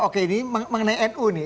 oke ini mengenai nu nih